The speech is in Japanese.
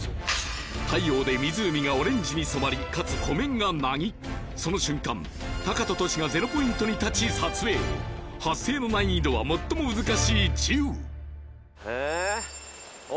太陽で湖がオレンジに染まりかつ湖面が凪その瞬間タカとトシがゼロポイントに立ち撮影発生の難易度は最も難しい「１０」えっお！